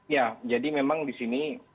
ya jadi memang di sini